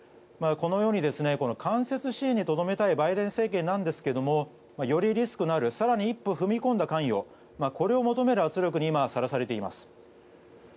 このように間接支援にとどめたいバイデン政権ですがよりリスクのある更に一歩踏み込んだ関与をこれを求める圧力に今、さらされています。